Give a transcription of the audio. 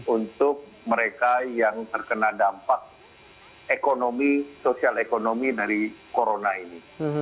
untuk mereka yang terkena dampak ekonomi sosial ekonomi dari corona ini